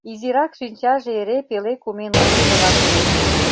Изирак шинчаже эре пеле кумен ончышыла коеш.